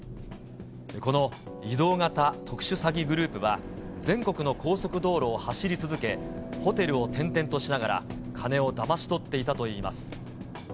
この移動型特殊詐欺グループは、全国の高速道路を走り続け、ホテルを転々としながら、金をだまし取っていたといいます。